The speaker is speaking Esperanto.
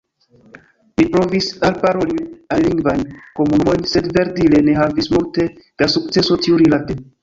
Ni provis alparoli alilingvajn komunumojn, sed verdire ne havis multe da sukceso tiurilate.